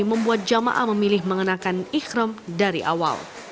membuat jamaah memilih mengenakan ikhram dari awal